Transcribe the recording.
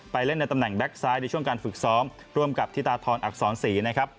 ไปเล่นในตำแหน่งแบ็คไซด์ในช่วงการฝึกซ้อมร่วมกับธิตาธรรมอักษรศรี